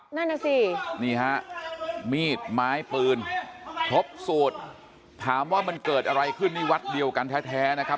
นั่นน่ะสินี่ฮะมีดไม้ปืนครบสูตรถามว่ามันเกิดอะไรขึ้นนี่วัดเดียวกันแท้นะครับ